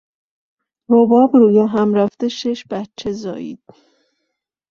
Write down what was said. رباب رویهمرفته شش بچه زایید.